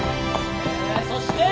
そして！